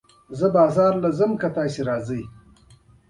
زه بازار ته ځم که ته راسې